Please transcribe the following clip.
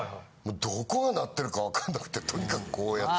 どこが鳴ってるか分かんなくてとにかくこうやって。